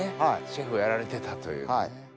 シェフをやられてたというね。